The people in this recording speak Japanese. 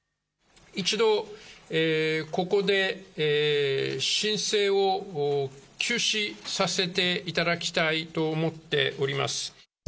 一度、ここで申請を休止させていただきたいと思っております。